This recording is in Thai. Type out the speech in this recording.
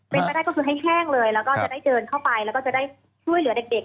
เป็นไปได้ก็คือให้แห้งเลยแล้วก็จะได้เดินเข้าไปแล้วก็จะได้ช่วยเหลือเด็ก